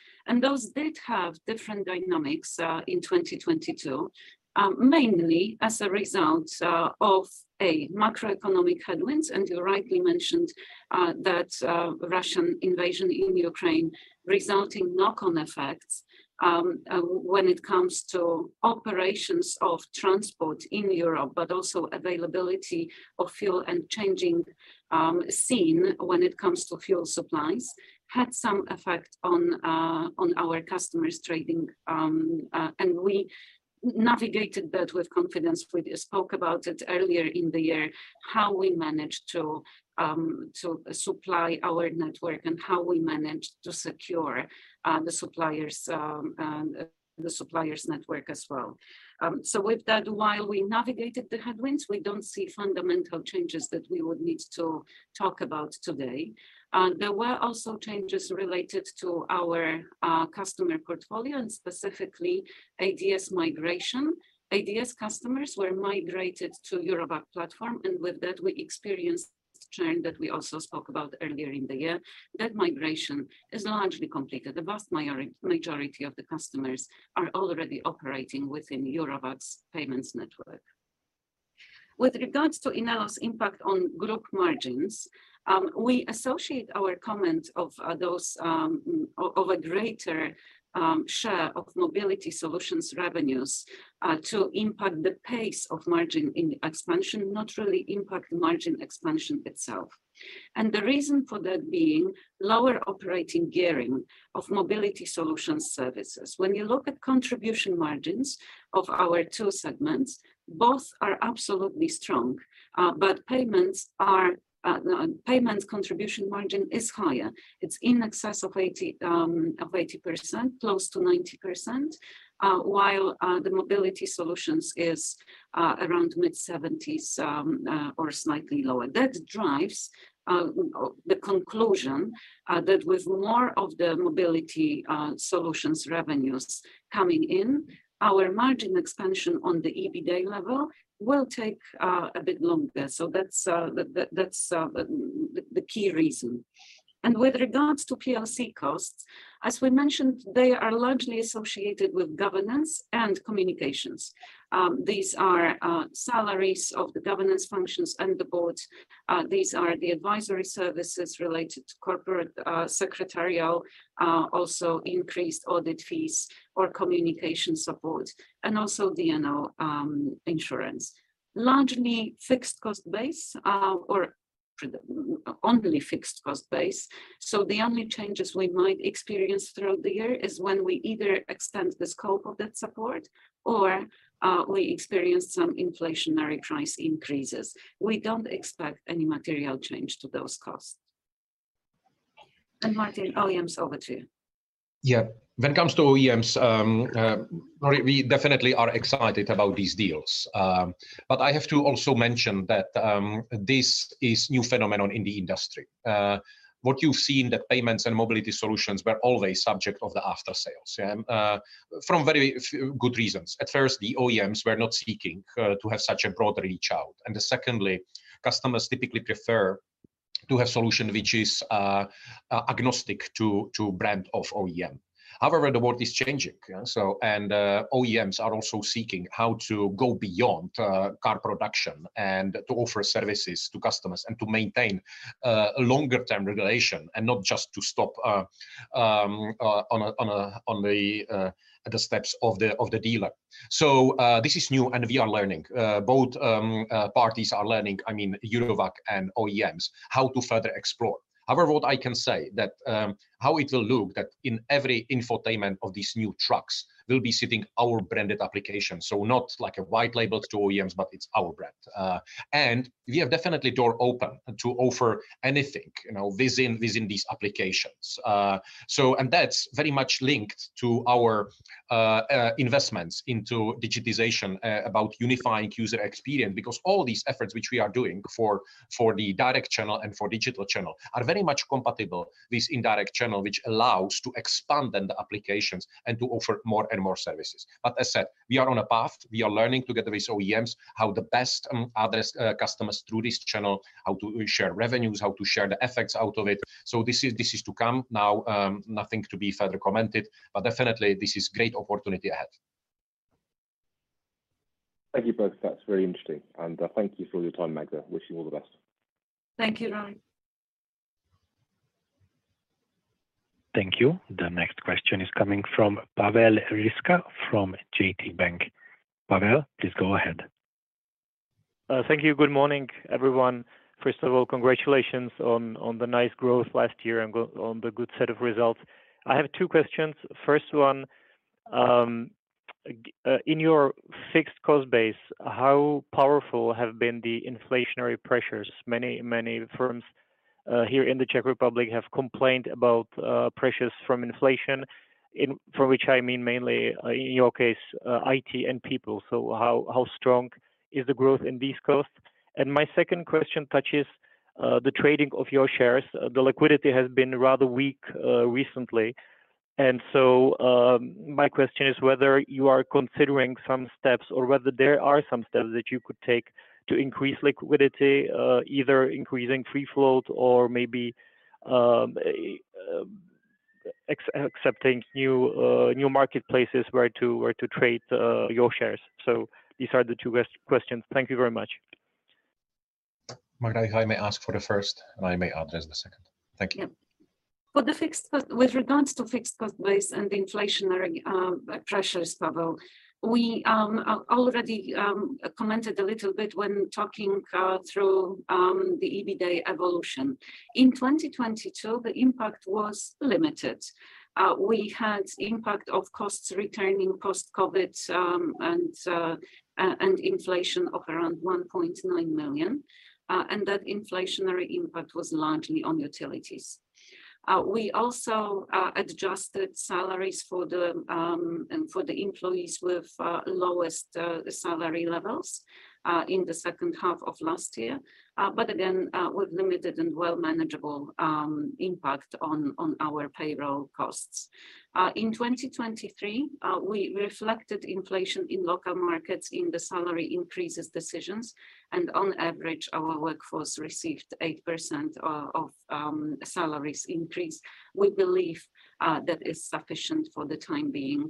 Those did have different dynamics in 2022, mainly as a result of, A, macroeconomic headwinds. You rightly mentioned that Russian invasion in Ukraine resulting knock-on effects when it comes to operations of transport in Europe, but also availability of fuel and changing scene when it comes to fuel supplies had some effect on our customers trading. We navigated that with confidence. We spoke about it earlier in the year, how we managed to supply our network and how we managed to secure the suppliers and the suppliers' network as well. With that, while we navigated the headwinds, we don't see fundamental changes that we would need to talk about today. There were also changes related to our customer portfolio and specifically ADS migration. ADS customers were migrated to Eurowag platform, and with that, we experienced churn that we also spoke about earlier in the year. That migration is largely completed. The vast majority of the customers are already operating within Eurowag's payments network. With regards to Inelo's impact on group margins, we associate our comment of those of a greater share of mobility solutions revenues to impact the pace of margin in expansion, not really impact the margin expansion itself. The reason for that being lower operating gearing of mobility solution services. When you look at contribution margins of our two segments, both are absolutely strong. Payments contribution margin is higher. It's in excess of 80%, close to 90%, while the mobility solutions is around mid-70s or slightly lower. That drives the conclusion that with more of the mobility solutions revenues coming in, our margin expansion on the EBITA level will take a bit longer. That's the key reason. With regards to PLC costs, as we mentioned, they are largely associated with governance and communications. These are salaries of the governance functions and the boards. These are the advisory services related to corporate secretarial, also increased audit fees or communication support and also D&O insurance. Largely fixed cost base or only fixed cost base. The only changes we might experience throughout the year is when we either extend the scope of that support or we experience some inflationary price increases. We don't expect any material change to those costs. Martin, OEMs, over to you. Yeah. When it comes to OEMs, we definitely are excited about these deals. I have to also mention that this is new phenomenon in the industry. What you've seen, the payments and mobility solutions were always subject of the after-sales. From very good reasons. At first, the OEMs were not seeking to have such a broad reach out. Secondly, customers typically prefer to have solution which is agnostic to brand of OEM. However, the world is changing, so... OEMs are also seeking how to go beyond car production and to offer services to customers and to maintain longer term regulation and not just to stop on the steps of the dealer. This is new and we are learning. Both parties are learning, I mean, Eurowag and OEMs, how to further explore. What I can say that how it will look that in every infotainment of these new trucks will be sitting our branded application. Not like a white label to OEMs, but it's our brand. We have definitely door open to offer anything, you know, within these applications. That's very much linked to our investments into digitization about unifying user experience. All these efforts which we are doing for the direct channel and for digital channel are very much compatible with indirect channel, which allows to expand then the applications and to offer more and more services. As said, we are on a path. We are learning together with OEMs how to best address customers through this channel, how to share revenues, how to share the effects out of it. This is to come now. Nothing to be further commented, but definitely this is great opportunity ahead. Thank you both. That's very interesting. Thank you for your time, Magda. Wish you all the best. Thank you, Rory. Thank you. The next question is coming from Pavel Ryska from J&T Banka. Pavel, please go ahead. Thank you. Good morning, everyone. First of all, congratulations on the nice growth last year and on the good set of results. I have two questions. First one, in your fixed cost base, how powerful have been the inflationary pressures? Many firms here in the Czech Republic have complained about pressures from inflation, for which I mean mainly, in your case, IT and people. How strong is the growth in these costs? My second question touches the trading of your shares. The liquidity has been rather weak recently. My question is whether you are considering some steps or whether there are some steps that you could take to increase liquidity, either increasing free float or maybe accepting new marketplaces where to trade your shares? These are the two questions. Thank you very much. Magda, if I may ask for the first, and I may address the second. Thank you. Yeah. With regards to fixed cost base and inflationary pressures, Pavel, we already commented a little bit when talking through the EBITA evolution. In 2022, the impact was limited. We had impact of costs returning post-COVID and inflation of around 1.9 million. That inflationary impact was largely on utilities. We also adjusted salaries for the employees with lowest salary levels in the second half of last year. Again, with limited and well manageable impact on our payroll costs. In 2023, we reflected inflation in local markets in the salary increases decisions, and on average, our workforce received 8% of salaries increase. We believe that is sufficient for the time being,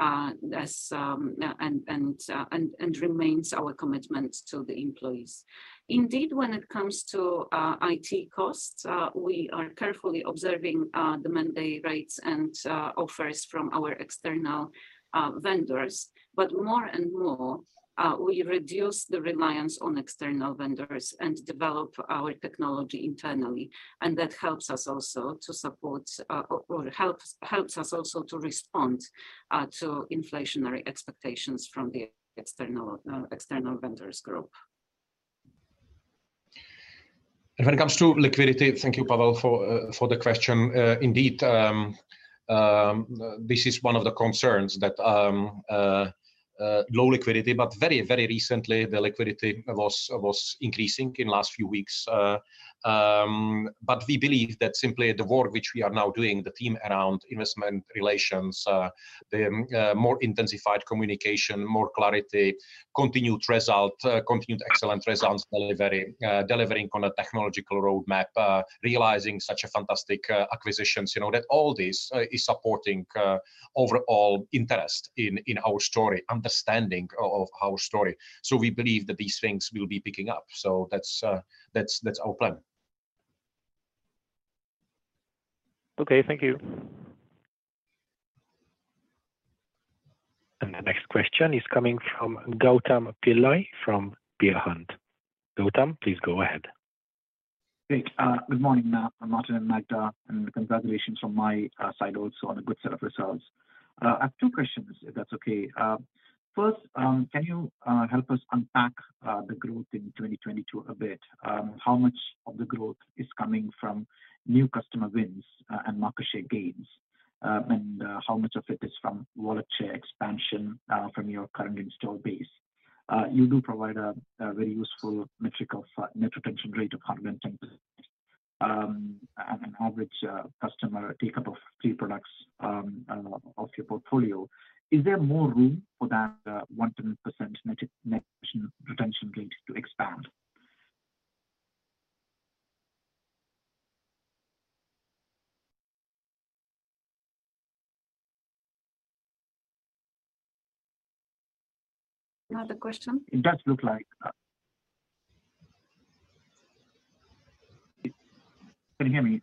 as and remains our commitment to the employees. Indeed, when it comes to IT costs, we are carefully observing the man-day rates and offers from our external vendors. More and more, we reduce the reliance on external vendors and develop our technology internally. That helps us also to support, or helps us also to respond to inflationary expectations from the external vendors group. When it comes to liquidity, thank you, Pavel, for the question. Indeed, this is one of the concerns that low liquidity, but very recently the liquidity was increasing in last few weeks. We believe that simply the work which we are now doing, the team around investment relations, the more intensified communication, more clarity, continued result, continued excellent results delivery, delivering on a technological roadmap, realizing such a fantastic acquisitions, you know, that all this is supporting overall interest in our story, understanding of our story. We believe that these things will be picking up. That's our plan. Okay. Thank you. The next question is coming from Gautam Pillai from Peel Hunt. Gautam, please go ahead. Great. Good morning, Martin and Magda, and congratulations from my side also on a good set of results. I have two questions if that's okay. First, can you help us unpack the growth in 2022 a bit? How much of the growth is coming from new customer wins and market share gains? How much of it is from wallet share expansion from your current installed base? You do provide a very useful metric of net retention rate of 110%. As an average customer take-up of three products of your portfolio. Is there more room for that 110% net retention rate to expand? Another question? Can you hear me?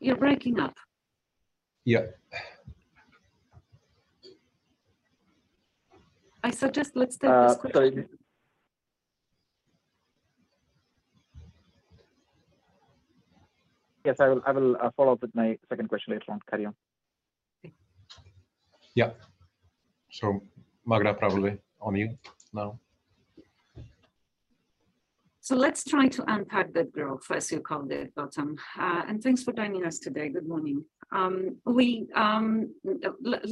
You're breaking up. Yeah. I suggest let's take this question. Yes, I will follow up with my second question later on. Carry on. Okay. Yeah. Magda, probably on you now. Let's try to unpack that growth first, as you called it, Gautam. Thanks for joining us today. Good morning.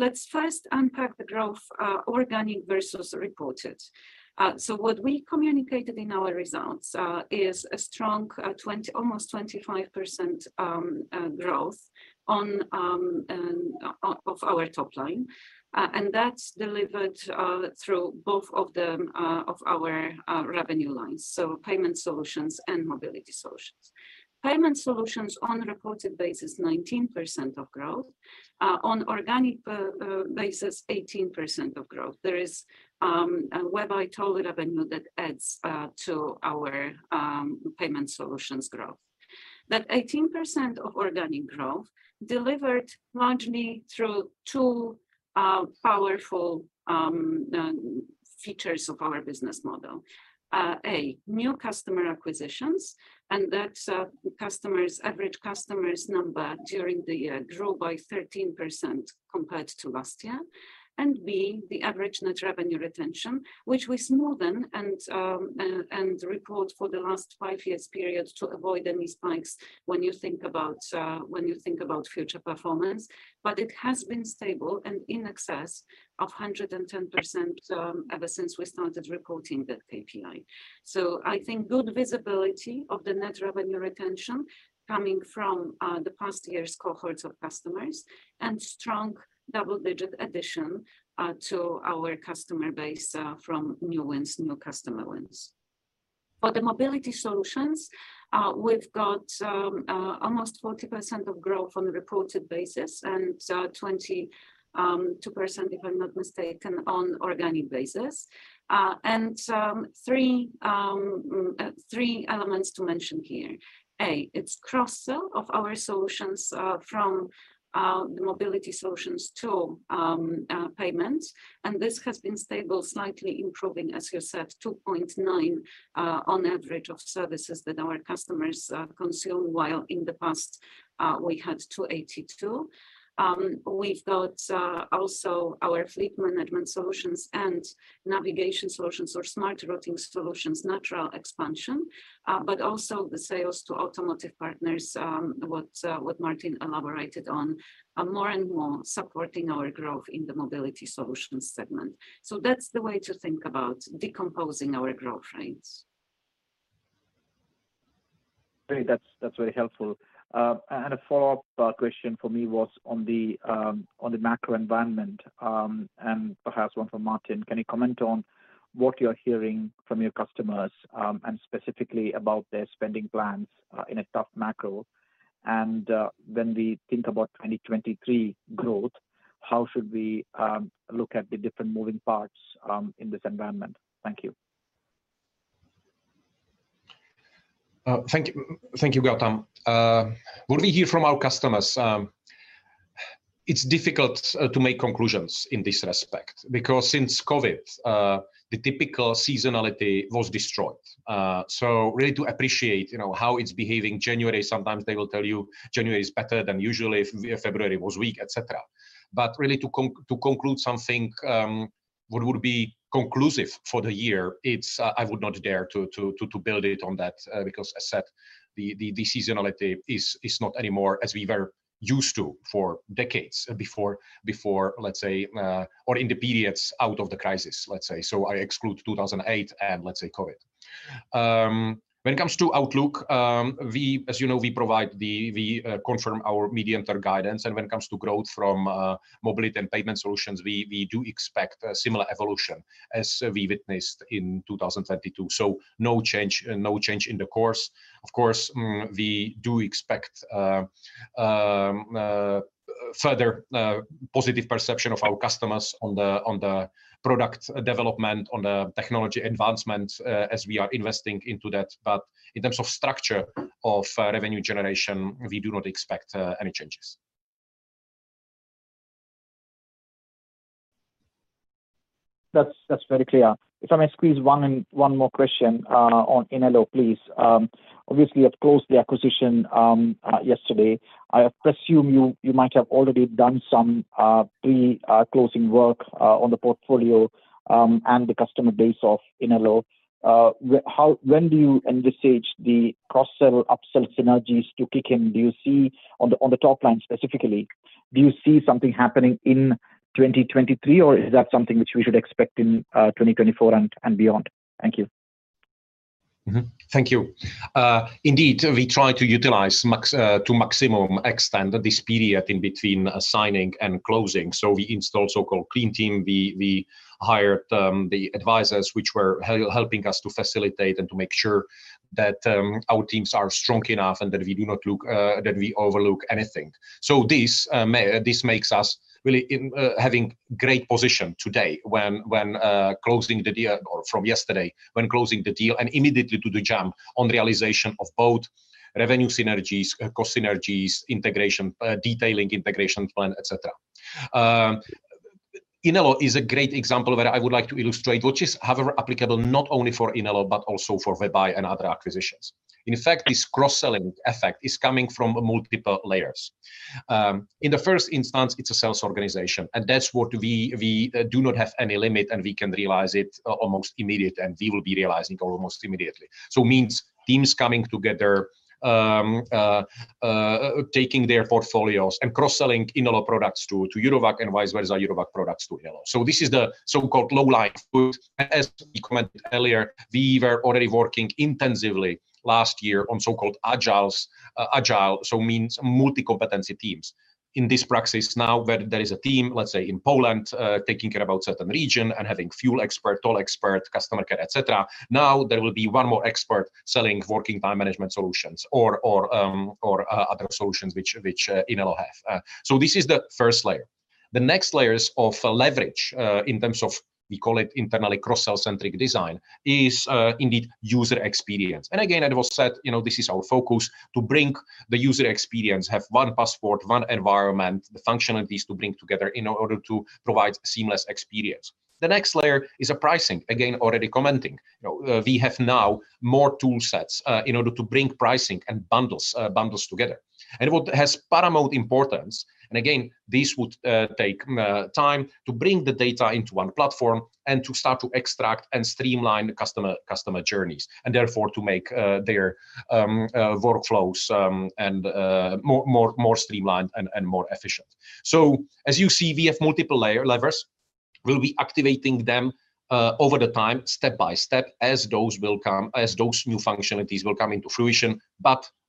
Let's first unpack the growth, organic versus reported. What we communicated in our results is a strong, almost 25% growth on of our top line. That's delivered through both of the of our revenue lines, so payment solutions and mobility solutions. Payment solutions on reported basis, 19% of growth. On organic basis, 18% of growth. There is a WebEye revenue that adds to our payment solutions growth. That 18% of organic growth delivered largely through two powerful features of our business model. A, new customer acquisitions, customers, average customers number during the year grew by 13% compared to last year. B, the average net revenue retention, which we smoothen and report for the last five years period to avoid any spikes when you think about future performance. It has been stable and in excess of 110% ever since we started reporting that KPI. I think good visibility of the net revenue retention coming from the past years' cohorts of customers and strong double-digit addition to our customer base from new wins, new customer wins. For the mobility solutions, we've got almost 40% of growth on a reported basis and 22%, if I'm not mistaken, on organic basis. Three elements to mention here. A. It's cross-sell of our solutions from the mobility solutions to payments, and this has been stable, slightly improving, as you said, 2.9 on average of services that our customers consume, while in the past, we had 2.82. We've got also our fleet management solutions and navigation solutions or smart routing solutions, natural expansion, but also the sales to automotive partners, what Martin elaborated on, are more and more supporting our growth in the mobility solutions segment. That's the way to think about decomposing our growth rates. Great. That's very helpful. A follow-up question for me was on the macro environment, and perhaps one for Martin. Can you comment on what you're hearing from your customers, and specifically about their spending plans in a tough macro? When we think about 2023 growth, how should we look at the different moving parts in this environment? Thank you. Thank you. Thank you, Gautam. What we hear from our customers, it's difficult to make conclusions in this respect because since COVID, the typical seasonality was destroyed. Really to appreciate, you know, how it's behaving January, sometimes they will tell you January is better than usually if February was weak, et cetera. Really to conclude something. What would be conclusive for the year, it's, I would not dare to build it on that, because I said the seasonality is not anymore as we were used to for decades before, let's say, or in the periods out of the crisis, let's say. I exclude 2008 and let's say COVID. When it comes to outlook, we as you know, we confirm our medium-term guidance. When it comes to growth from mobility and payment solutions, we do expect a similar evolution as we witnessed in 2022. No change, no change in the course. Of course, we do expect further positive perception of our customers on the product development, on the technology advancements, as we are investing into that. In terms of structure of revenue generation, we do not expect any changes. That's very clear. If I may squeeze one in, one more question on Inelo, please. Obviously, you've closed the acquisition yesterday. I assume you might have already done some pre-closing work on the portfolio and the customer base of Inelo. When do you envisage the cross-sell, upsell synergies to kick in? Do you see on the top line specifically, do you see something happening in 2023, or is that something which we should expect in 2024 and beyond? Thank you. Thank you. Indeed, we try to utilize max to maximum extent this period in between signing and closing. We installed so-called clean team. We hired the advisors which were helping us to facilitate and to make sure that our teams are strong enough and that we overlook anything. This makes us really having great position today when closing the deal or from yesterday when closing the deal and immediately to the jump on realization of both revenue synergies, cost synergies, integration, detailing integration plan, et cetera. Inelo is a great example that I would like to illustrate, which is, however, applicable not only for Inelo but also for WebEye and other acquisitions. In fact, this cross-selling effect is coming from multiple layers. In the first instance, it's a sales organization, and that's what we do not have any limit, and we can realize it almost immediate, and we will be realizing almost immediately. Means teams coming together, taking their portfolios and cross-selling Inelo products to Eurowag and vice versa, Eurowag products to Inelo. This is the so-called low-lying fruit. As we commented earlier, we were already working intensively last year on so-called agiles. Agile so means multi-competency teams. In this practice now, where there is a team, let's say in Poland, taking care about certain region and having fuel expert, toll expert, customer care, et cetera, now there will be one more expert selling Working Time Management solutions or other solutions which Inelo have. This is the first layer. The next layers of leverage, in terms of, we call it internally cross-sell centric design, is indeed user experience. Again, as it was said, you know, this is our focus to bring the user experience, have one passport, one environment, the functionalities to bring together in order to provide seamless experience. The next layer is a pricing. Again, already commenting. You know, we have now more tool sets, in order to bring pricing and bundles together. What has paramount importance, and again, this would take time to bring the data into one platform and to start to extract and streamline customer journeys and therefore to make their workflows and more streamlined and more efficient. As you see, we have multiple layer levers. We'll be activating them over the time step by step as those new functionalities will come into fruition.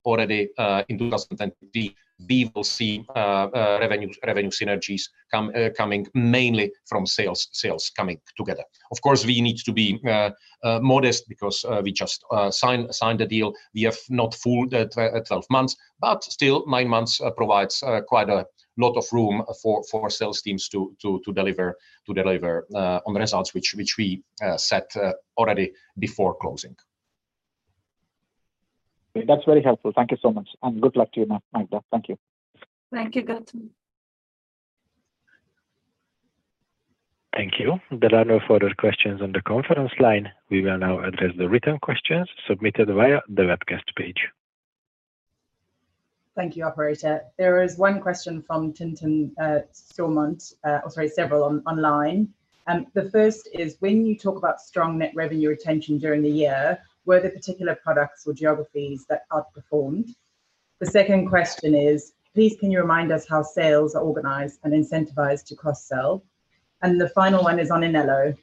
Already, in 2020, we will see revenue synergies coming mainly from sales coming together. Of course, we need to be modest because we just signed the deal. We have not full the 12 months, but still nine months provides quite a lot of room for sales teams to deliver on the results which we set already before closing. That's very helpful. Thank you so much and good luck to you Magda. Thank you. Thank you, Gautam. Thank you. There are no further questions on the conference line. We will now address the written questions submitted via the webcast page. Thank you, operator. There is one question from [Tintin, Stormont,] or sorry, several online. The first is: When you talk about strong net revenue retention during the year, were there particular products or geographies that outperformed? The second question is: Please can you remind us how sales are organized and incentivized to cross-sell? The final one is on Inelo.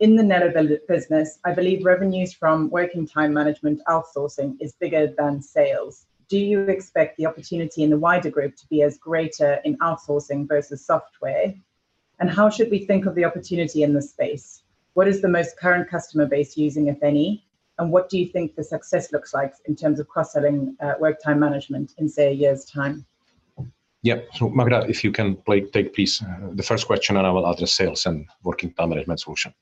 In the Netherlands business, I believe revenues from Working Time Management outsourcing is bigger than sales. Do you expect the opportunity in the wider group to be as greater in outsourcing versus software? How should we think of the opportunity in this space? What is the most current customer base using, if any? What do you think the success looks like in terms of cross-selling Working Time Management in, say, a year's time? Magda, if you can take please the first question, and I will address sales and Working Time Management solution.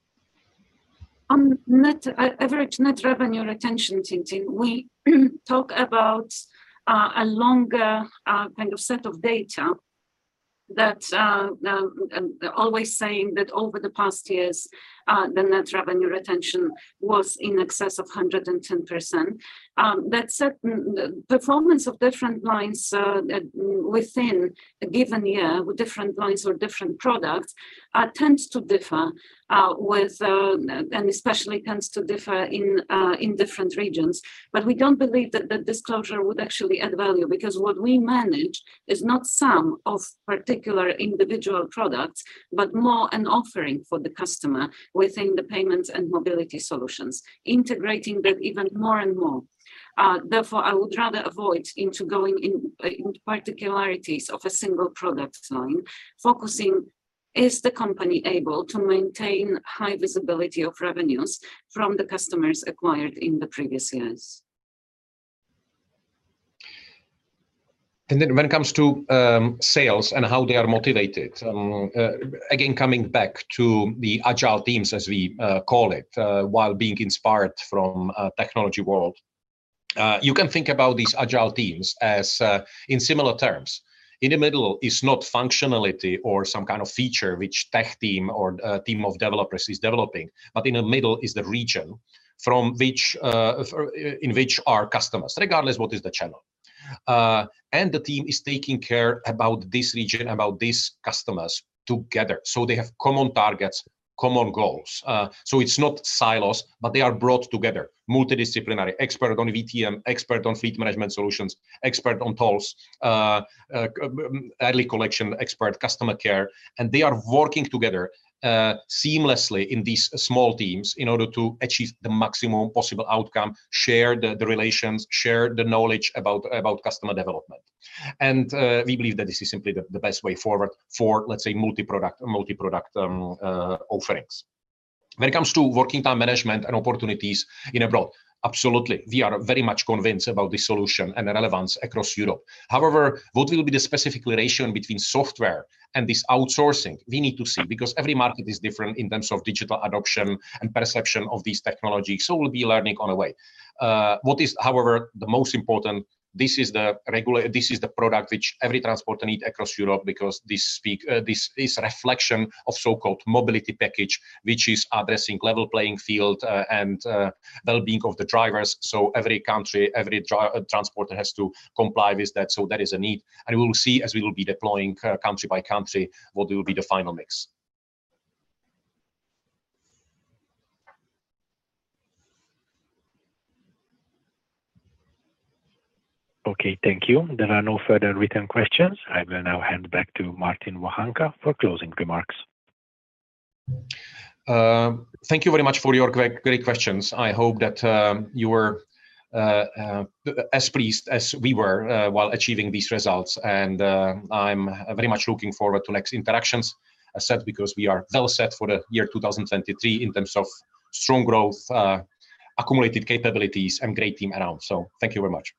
On net, average net revenue retention, Tintin, we talk about a longer, kind of set of. That, now and always saying that over the past years, the net revenue retention was in excess of 110%. That certain, the performance of different lines, that within a given year with different lines or different products, tends to differ, with. Especially tends to differ in different regions. We don't believe that the disclosure would actually add value because what we manage is not sum of particular individual products, but more an offering for the customer within the payments and mobility solutions, integrating that even more and more. I would rather avoid into going in particularities of a single product line. Focusing, is the company able to maintain high visibility of revenues from the customers acquired in the previous years? When it comes to sales and how they are motivated. Again, coming back to the agile teams, as we call it, while being inspired from technology world. You can think about these agile teams as in similar terms. In the middle is not functionality or some kind of feature which tech team or team of developers is developing. In the middle is the region from which in which our customers, regardless what is the channel. The team is taking care about this region, about these customers together. They have common targets, common goals. It's not silos, but they are brought together. Multidisciplinary expert on VTM, expert on fleet management solutions, expert on tolls, early collection expert, customer care. They are working together seamlessly in these small teams in order to achieve the maximum possible outcome, share the relations, share the knowledge about customer development. We believe that this is simply the best way forward for, let's say, multiproduct offerings. When it comes to Working Time Management and opportunities in abroad, absolutely. We are very much convinced about the solution and the relevance across Europe. However, what will be the specific relation between software and this outsourcing? We need to see, because every market is different in terms of digital adoption and perception of these technologies, so we'll be learning on the way. What is, however, the most important, this is the product which every transporter need across Europe because this speak, this is reflection of so-called Mobility Package, which is addressing level playing field, and wellbeing of the drivers. Every country, every transporter has to comply with that. That is a need, and we will see as we will be deploying country by country what will be the final mix. Okay, thank you. There are no further written questions. I will now hand back to Martin Vohánka for closing remarks. Thank you very much for your great questions. I hope that you were as pleased as we were while achieving these results. I'm very much looking forward to next interactions, as said, because we are well set for the year 2023 in terms of strong growth, accumulated capabilities and great team around. Thank you very much.